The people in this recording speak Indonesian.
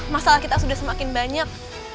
masalah kita sudah semakin banyak